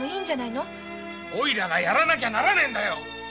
おいらがやらなきゃならないんだよ！